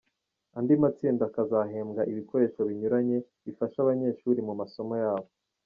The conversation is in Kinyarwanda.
Andi matsinda akazahembwa ibikoresho binyuranye, bifasha abanyeshuri mu masomo yabo.